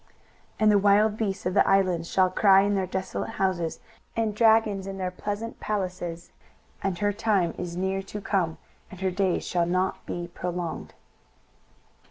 23:013:022 And the wild beasts of the islands shall cry in their desolate houses, and dragons in their pleasant palaces: and her time is near to come, and her days shall not be prolonged.